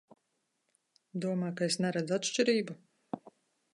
Domā, ka es neredzu atšķirību?